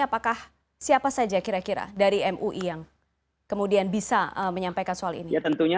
apakah siapa saja kira kira dari mui yang kemudian bisa menyampaikan soal ini